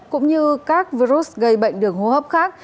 cũng như các virus gây bệnh đường hô hấp khác